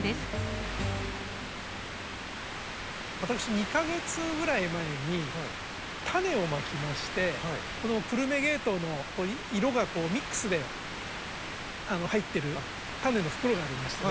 私２か月ぐらい前に種をまきましてこの久留米ケイトウの色がミックスで入ってる種の袋がありましてね